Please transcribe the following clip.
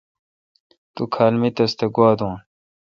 تو کھال مے°تس تہ گوا دون۔